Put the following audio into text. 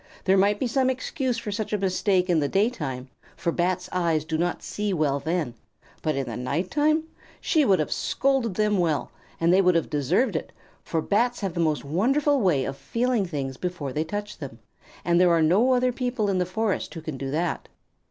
There might be some excuse for such a mistake in the daytime, for Bats' eyes do not see well then, but in the night time! She would have scolded them well, and they would have deserved it, for Bats have the most wonderful way of feeling things before they touch them, and there are no other people in the forest who can do that.